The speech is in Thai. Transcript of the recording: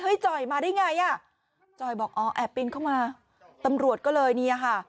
จ่อยมาได้ไงอ่ะจอยบอกอ๋อแอบปีนเข้ามาตำรวจก็เลยเนี่ยค่ะ